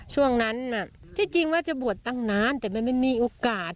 ช่วงนั้นที่จริงว่าจะบวชตั้งนานแต่มันไม่มีโอกาส